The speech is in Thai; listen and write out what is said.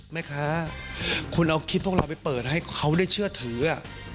แม่ค้าคุณเอาคลิปพวกเราไปเปิดให้เขาได้เชื่อถือ